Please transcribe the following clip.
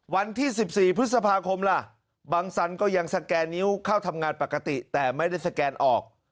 วันที่๑๔พฤษภาคมล่ะบังสันก็ยังสแกนนิ้วเข้าทำงานปกติแต่ไม่ได้สแกนออก